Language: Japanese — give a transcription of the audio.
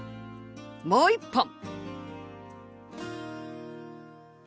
もう一本！